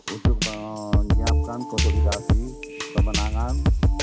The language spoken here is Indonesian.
untuk menyiapkan konsolidasi pemenangan dua ribu dua puluh empat